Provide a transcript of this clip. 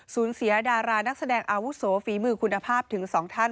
สูญเสียดารานักแสดงอศฝีมือคุณภาพถึง๒ท่าน